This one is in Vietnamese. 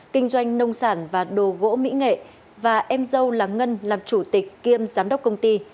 kinh doanh nông sản và đồ gỗ mỹ nghệ và em dâu là ngân làm chủ tịch kiêm giám đốc công ty